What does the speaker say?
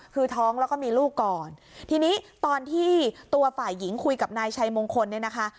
คือท้องแล้วก็มีลูกก่อนทีนี้ตอนที่ตัวฝ่ายหญิงคุยกับนายชัยมงคลเนี่ยนะคะ